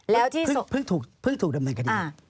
เพิ่งถูกดำเนินคดี